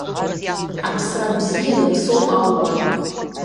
Аԥсра бзиа иаԥсоуп аума!